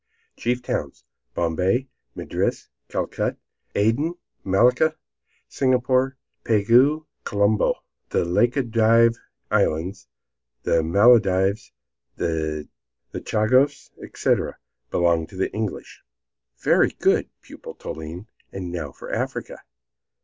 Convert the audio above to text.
Chief Towns Bombay, Madras, Calicut, Aden, Malacca, Singapore, Pegu, Colombo. The Lacca dive Islands, the Maldives, the Chagos, etc., belonging to the English." "Very good, pupil Toline. And now for Africa."